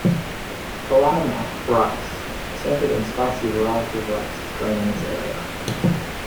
Kalanamak rice, a scented and spicy variety of rice is grown in this area.